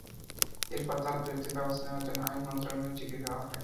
এরপর তাঁর বিরুদ্ধে ব্যবস্থা নেওয়ার জন্য আইন মন্ত্রণালয়ে চিঠি দেওয়া হয়।